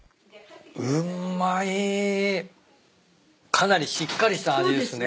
かなりしっかりした味ですね。